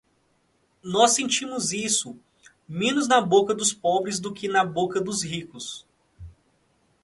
Nós sentimos isso menos na boca dos pobres do que na dos ricos.